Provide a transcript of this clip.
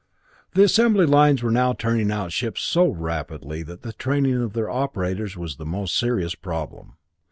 Assembly lines were now turning out ships so rapidly that the training of their operators was the most serious problem.